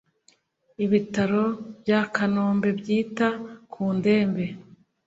Ibitaro byakanombe byita kundembe